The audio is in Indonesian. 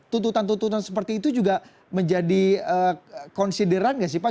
tuntutan tuntutan seperti itu juga menjadi konsideran nggak sih pak